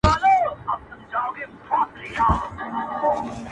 له هغو شکایت کوي